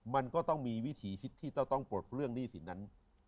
มันก็ต้องมีวิถีชีวิตที่ต้องปลดเรื่องหนี้สินนั้น